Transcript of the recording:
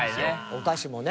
お菓子もね。